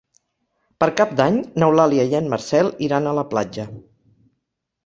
Per Cap d'Any n'Eulàlia i en Marcel iran a la platja.